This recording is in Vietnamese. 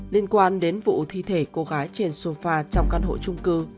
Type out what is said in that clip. liên quan đến vụ thi thể cô gái trên sofa trong căn hộ trung cư